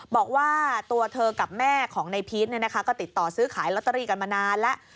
บอกว่าตัวเธอกับแม่ของนายพีชก็ติดต่อซื้อขายลอตเตอรี่กันมานานแล้ว